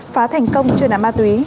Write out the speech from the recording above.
phá thành công chuyên án ma túy